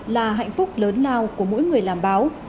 là hạnh phúc lớn lao của mỗi người làm báo